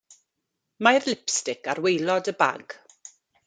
Mae'r lipstic ar waelod y bag.